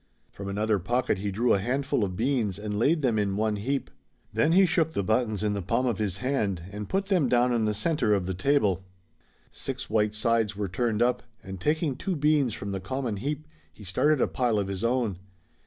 From another pocket he drew a handful of beans and laid them in one heap. Then he shook the buttons in the palm of his hand, and put them down in the center of the table. Six white sides were turned up and taking two beans from the common heap he started a pile of his own.